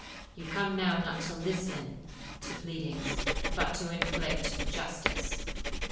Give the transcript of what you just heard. You come now not to listen to pleadings, but to inflict justice.'